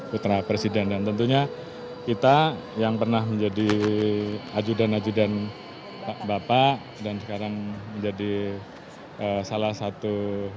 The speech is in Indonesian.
putra presiden dan tentunya kita yang pernah menjadi ajudan ajudan bapak dan sekarang menjadi salah satu